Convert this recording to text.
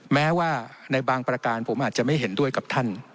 แม้ว่าในบางประการผมอาจจะไม่เห็นด้วยกับท่าน